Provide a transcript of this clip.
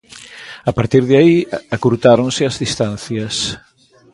A partir de aí, acurtáronse as distancias.